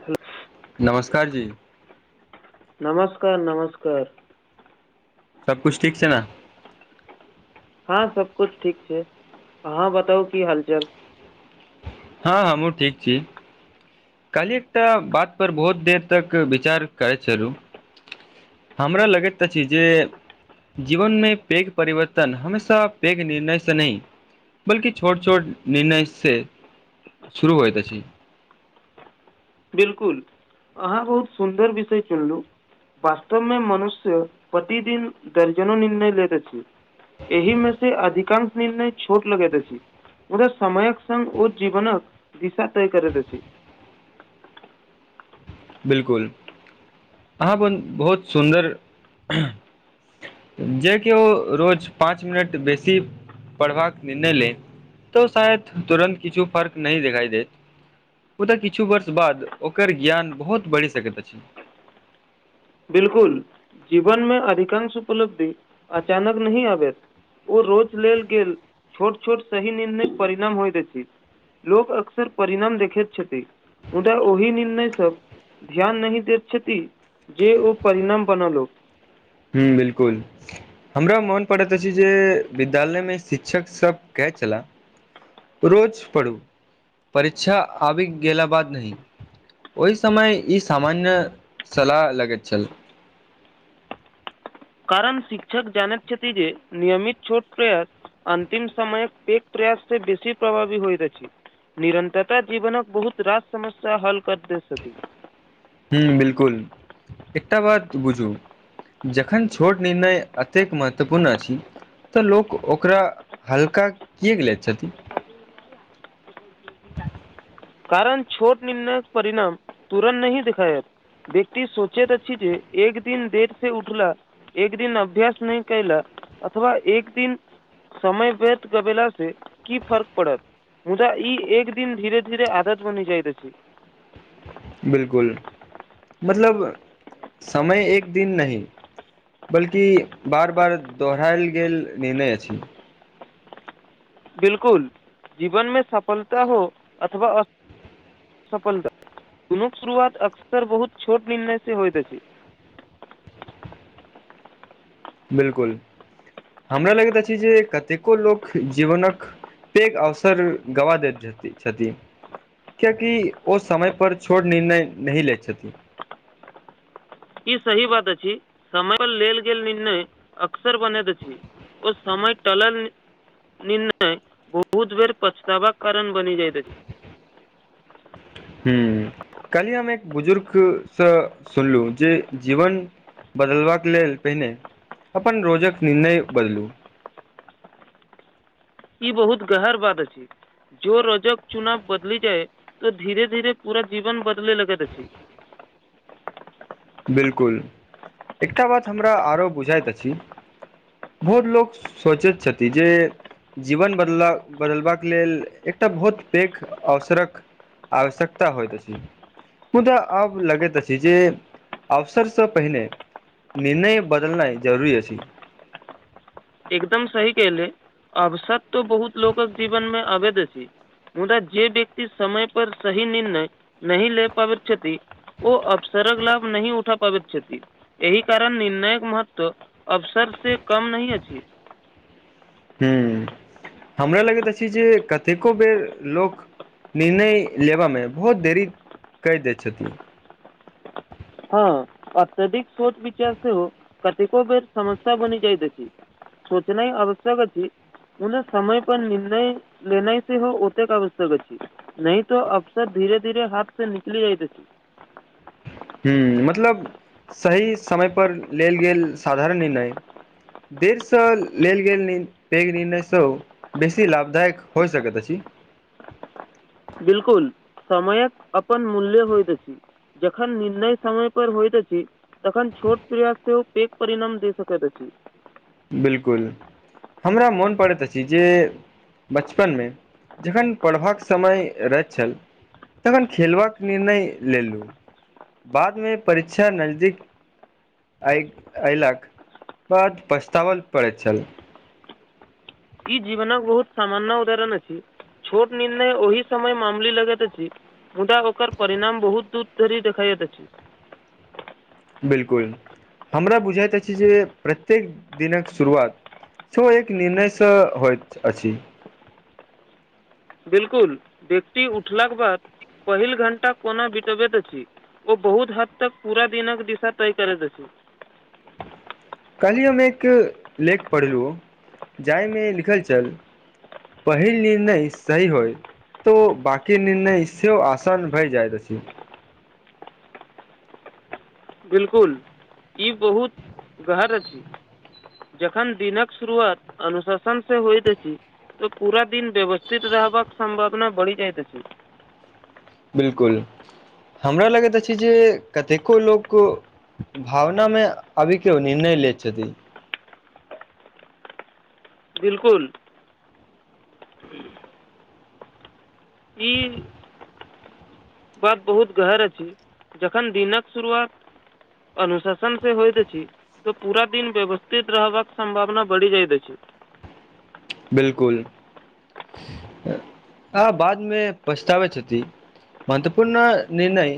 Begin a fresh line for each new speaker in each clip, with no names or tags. ह [unintelligible]
नमस्कार जी
नमस्कार नमस्कार
सबकुछ ठीक छै ने
हँ सब किुछ ठीक छै अहाँ बताउ की हालचाल
हँ हँ हमू ठीक छी कहलिय एकटा बात पर बहुत देर तक विचार करैत छलु हमरा लगैत तऽ छै जे जीवन मे पेघ परिवर्तन हमेशा पेघ निर्णय से नहि बलकि छोट छोट निर्णय से शुरू होइत अछि
बिलकुल अहाँ बहुत सुन्दर विषय चुनलु वास्तव मे मनुष्य प्रतिदिन दर्जनो निर्णय लेैत अछि एहि मे से अधिकांश निर्णय छोट लगेत अछि ओरा समयक संग ओ जीवन दिशा तैय करैत छथि
बिलकुल अहाँ बहुत सुन्दर जे केओ रोज पाँच मिनट बेसी पढ़बाक निर्णय ले तो शायद तुरन्त किछु फर्क नहि द देखाई देत ओ तऽ किछु वर्ष बाद ओकर ज्ञान बहुत बढ़ि सकैत अछि।
बिलकुल जीवन मे अधिकांश उपलब्धि अचानक नहि आबैत। ओ रोच लेल गेल छोट छोट सही निर्णय परिणाम होय द छै लोक अकसर परिणाम देखैत छथित उदा ओहि निर्णय स ध्यान नहि दैत छथि जे ओ परिणाम बनल ओ
हु बिलकुल हमरा मोन पड़ैत अछि जे विद्यालयमे शिक्षक सभ कहै छलाह रोज पढ़ू परीक्षा आबि गेला बाद नहि ओहि समय ई सामान्य सलाह लगैत छल
कारण शिक्षक जानेत छथि जे नियमित छोट प्रयास अन्तिम समय पेघ प्रयास से बेसी प्रभावी होइत छै निरन्तरता जीवनक बहुत रास समस्या हल कर देत
हु बिलकुल एकटा बात बुझू जखन छोट निर्णय एतेक महत्वपूर्ण अछि तऽ लोक ओकरा हल्का किएक ले छथिन
कारण छोट निर्णय परिणाम तुरन्त नहि दिखायत व्यक्ति सोचैत छी जे एक दिन देर से उठला एक दिन अभ्यास नहि केला अथवा एक दिन समय व्यत गबेला से की फर्क पड़त मुदा ई एक दिन धीरे धीरे आदत बनी जाइत अछि
बिलकुल मतलब समय एक दिन नहि बल्कि बार बार दोहरायल गेल निर्णय अछि
बिलकुल जीवन मे सफलता हो अथवा अ सफलता दुन शुरुआत अक्सर बहुत छोट निर्णय से होइतइत छै
बिलकुल हमरा लगैत अछि जे कतेको लोक जीवनक पेघ अवसर गवा देत अछि कियकि ओ समय पर छोट निर्णय नही लैत छथि
ई सही बात अछि समय पर लेल गेल निर्णय अक्सर बनैत अछि। ओ समय टलल निर्णय बहुत बेर पछताबाक कारण बनी जाइत अछि
ह कली हम एक बुजुर्कसँ सुनलु जे जीवन बदलबाक लेल पहिने अपन रोजक निर्णय बदलू
ई बहुत गहर बात अछी जो रजक चुनाव बदली जाए तऽ धीरे धीरे पूरा जीवन बदले लगैत अछि
बिलकुल एकटा बात हमरा आरो बुझाइत अछि बहुत लोक सोचैत छथि जे जीवन बदला बदलबाक लेल एकटा बहुत पैघ अवसरक आश्यकता होइत अछी मुदा आब लगे त छी जे अवसरसँ पहिने निर्णय बदलनाइ जरूरी अछि
एकदम सही कले अवसद तो बहुत लोकक जीवन मे अबैध अछी मुदा जे व्यक्ति समय पर सही निर्णय नही ले पाबइत छथि ओ अफसरक लाभ नही उठा पाबैत छथि एहि कारण निर्णायक महत्व अवसर से कम नहि अछि
ह हमरा लगैत अछि जे कतेको बेर लोक निर्णय लेबा मे बहुत देरी क दय छथिन
हँ अत्यधिक सोच विचार सेहो कतेको बेर समस्या बनि जाइत अछि [inaudible] सोचनाइआवश्यक अछि पनो समय प निर्णय लेनाइ से हो ओतेक आवश्यकक अछि नहि तो अफसर धीरे धीरे हाथ से निकली इती अछि
हू मतलब सही समय पर लेल गेल साधारण निर्णय देर सए लेल गेल पैघ निर्णय सए बेसी लाभदायक होइ सक त छी
बिलकुल समयक अपन मूल्य होइत अछी जखन निर्णय समय पर होइत अछी तखन छोट प्रयास सेहो ओ पेक परिणाम दे सकैत अछि
बिलकुल हमरा मोन पड़ैत अछि जे बचपन मे जखन पढ़बाक समय रहैत छल तखन खेलबाक निर्णय लेलु बाद मे परीक्षा नजदीक आई अऐ लक बात पछतावल पड़े छल
ई जीवनक बहुत सामान्य उदाहरण अछी छोट निर्णय ओहि समय मामूली लगैत अछी मुदा ओकर परिणाम बहुत दूर धरी देखाइतै अछि
बिलकुल हमरा बुझाएत अछि जे प्रत्येक दिनक शुरुआत छ एक निर्णय सँ होइत अछि
बिलकुल व्यक्ति उठलाक बाद पहिल घण्टा कोना बिताबैत अछि ओ बहुत हदतक पूरा दिनक दिशा तय करैत अछि
कल्हि हम एक लेख पढ़लु जाहिमे लिखल छल पहिल निर्णय सही होय तो बाकी निणय सेहो आसान भए जाइतइत अछि
बिलकुल ई बहुत गहर अछि जखन दिनक शुरुआत अनुशासन से होत अछी तऽ पूरा दिन व्यवस्थित रहबाक सम्भावना बढ़ि जाइत अछि
बिलकुल हमरा लगैत अछि जे कतेको लोक भावना मे अबी केओ निणय लै छथि
बिलकुल [inaudible] [inaudible] ई बाद बहुत गहर अछि जखन दिनक शुरुआत अनुशासन से होइत अछि तऽ पूरा दिन व्यवस्थित रहबाक सम्भावना बढ़ि जाइत अछि
बिलकुल आ बाद मे पछतावती छथी महत्वपूर्ण निर्णय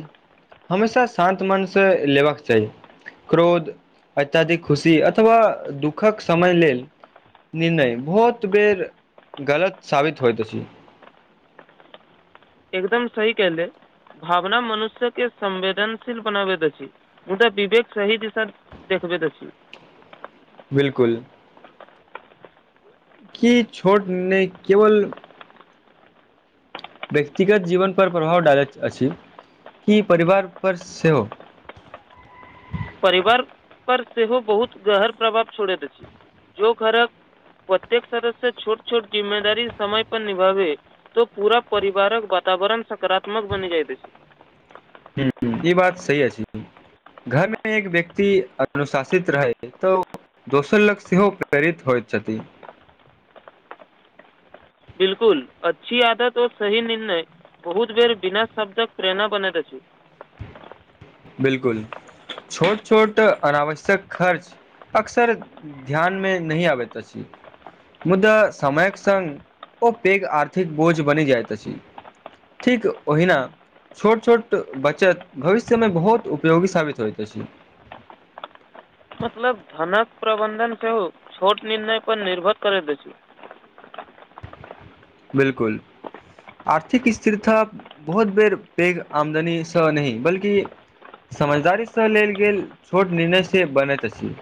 हमेशा शान्त मन से लेबाक चाही क्रोध अत्यधिक खुशी अथवा दुःखक समय लेल निर्णय बहुत बेेर गलत साबित होइत अछि
एकदम सी कहले भावना मनुष्य के संवेदनशील बनाबैत द अछि ह तऽ विवेक सही दिशन देखबैत अछि
बिल्कुल की छोट नहि केवल व्यक्तिगत जीवन पर प्रभाव डालैत अछि कि परिवार पर सेहो
परिवार पर सेहो बहुत गहर प्रभाव छोरत अछि जो घरक प्रत्येक सदस्य छोट छोट जिम्मेदारी समय पर निभाभे त पूरा परिवारक वातावरण सकारात्मक बनि जाइत अछि
हूँ ई बात सही अछि घर मे एक व्यक्ति अनुशासित रहै तऽ दोसर लग सेहो प्रेरित होइत छथि
बिलकुल अच्छी आदत ओर सही निर्णय बहुत बेर बिना शब्दक प्रेरणा बनैत अछि
बिलकुल छोट छोट अनावश्यक खर्च अक्सर ध्यान मे नहि आबैत अछि मुद्दा समयक संग ओ पेघ आर्थिक बोझ बनी जाएत अछि ठीक ओहिना छोट छोट बचत भविष्य में बहुत उपयोगी साबित होइत अछि
मतलब धनक प्रबंधन सेहो छोट निर्णय पर निर्भर करैत अछि
बिलकुल आर्थिक स्थिरता बहुत बेर पेघ आमदनीसँ नहि बल्कि समझदारीसँ लेल गेल छोट निर्णय से बनैत अछि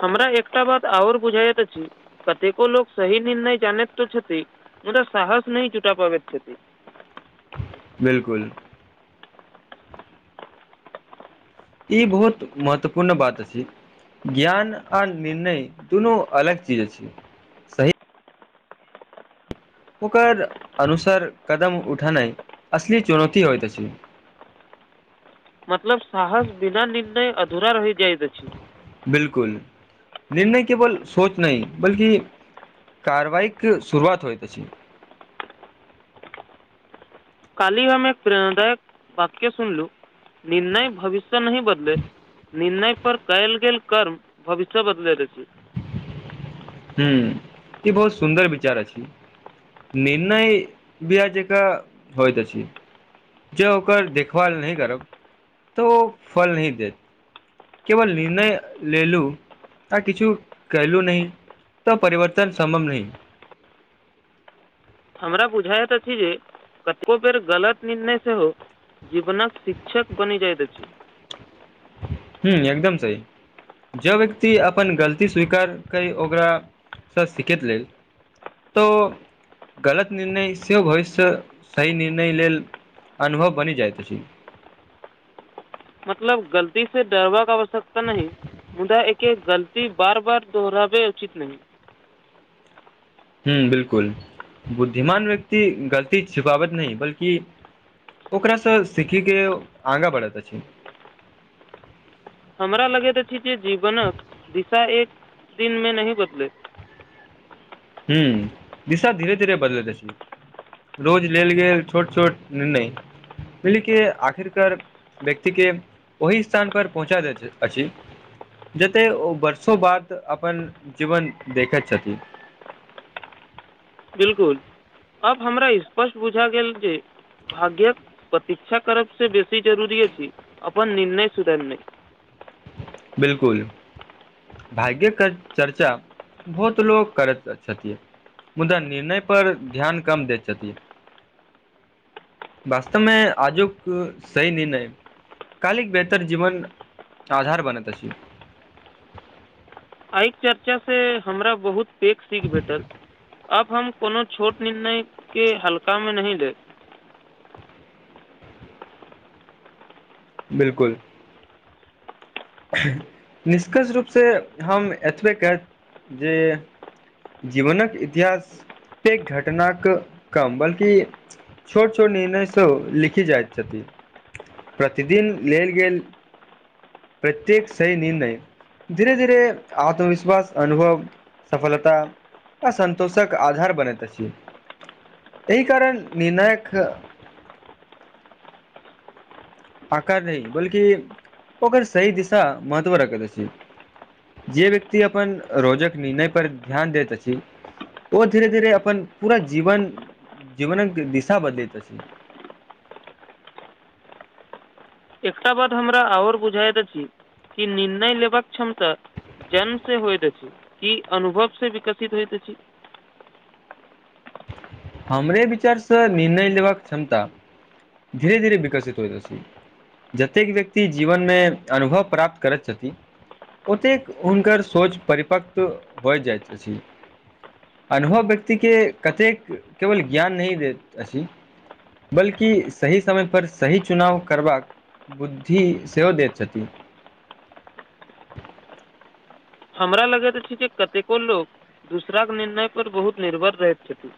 हमरा एकटा बात आओर बुझायइत अछि कतेको लोक सही निर्णय जानैत तो छथि मुदा साहस नै जूटा पाबे छथिन
बिलकुल ई बहुत महत्वपूर्ण बात अछि ज्ञान आ निर्णय दुनू अलग चीज अछि सही ओकर अनुसार कदम उठेनाइ असली चुनौती होइत अछि
मतलब साहस बिना निर्णय अधूरा रहि जाइत अछि
बिलकुल निर्णय केवल सोच नहि बल्कि कारवाइक शुरुआत होइत अछि
काली हम एक प्रेरणादायक वाक्य सुनलु निर्णय भविष्य नहि बदले निर्णय पर कयल गेल कर्म भविष्य बदले रहै
हूॅं ई बहुत सुन्दर विचार अछि निर्णय भी आ जेका होइत अछि जे ओकर देखभाल नहि करब तऽ ओ फल नहि देत केवल निर्णय लेलू आ किछु कइलू नैह तऽ परिवर्तन सम्भम नहि
हमरा बुझाइत अछि जे कतबो बेर गलत निर्णय सेहो जीवनक शिक्षक बनि जाइत अछि
हूॅं एकदम सही जँ व्यक्ति अपन गलती स्वीकार करी ओकरासँ सिखैत लेल तऽ गलत निर्णय सेहो भविष्य सही निर्णय लेल अनुभव बनि जाइत अछि
मतलब गलती से डबाक आवश्यकता नहि मुदा एके गलती बार बार दोहराबे उचित नहि
हूॅं बिलकुल बुद्धिमान व्यक्ति गलती छिफावत नहि बल्कि ओकरास सीखी के आंगा बढ़ैत अछि
हमरा लगैत अछि जे जीवनक दिशा एक दिनमे नहि बदलै
हूं दिशा धीरे धीरे बदलैत अछि रोज लेल गेल छोट छोट निर्णय पलि के आखिरकार व्यक्ति के ओहि स्थान पर पहुँचा दैत अछि जते ओ वर्षों बाद अपन जीवन देखैत छथिन
बिलकुल अब हमरा स्पष्ट बुझा गेल जे भाग्यक प्रतीक्षा करब से बेसी जरुरी अछि अपन निर्णय सुधरनाइ
बिलकुल भाग्यके चर्चा बहुत लोक करैत छथिन मुदा निर्णय पर ध्यान कम दै छथिन वास्तव में आजुक सही निर्णय कालिक बेहतर जीवन आधार बनैत अछि
आइ चर्चा से हमरा बहुत पेक सीख भेटत आब हम कोनो छोट निर्णयके हल्कामे नहि देब
बिलकुल निष्कर्ष रूपसे हम एतबे क जे जीवनक इतिहास प घटनाक कम बल्कि छोट छोट निर्णय सब लिखी जाइत छथिन प्रतिदिन लेल गेल प्रत्येक सहि निर्णय धीरे धीरे आत्मविश्वास अनुभव सफलता आ सन्तोष क आधार बनैत अछि यैहि कारण निर्णायक आकार रह बल्कि ओकर सही दिशा महत्व रखैत अछि जे व्यक्ति अपन रोजक निर्णय पर ध्यान दैत अछि ओ धीरे धीरे अपन पूरा जीवन जीवनक दिशा बदलैत अछि
एकटा बात हमरा आओर बुझाइत अछि कि निर्णय लेबक क्षमता जन्म से होइत अछि कि अनुभव से विकसित होइत अछि
हमरे विचारसँ निर्णय लेबाक क्षमता धीरे धीरे विकसित होइत अछि जतेक व्यक्ति जीवनमे अनुभव प्राप्त करैत छथिन ओतेक हुनकर सोच परिपक्व होइ जाइत अछि अनुभव व्यक्ति के कतेक केवल ज्ञान नहि देैत अछि बल्कि सही समय पर सही चुनाव करबाक बुद्धि से हो दति छथि
हमरा लगैत अछि जे कतेको लोक दूसराक निर्णय पर बहुत निर्भर रहैत छथिन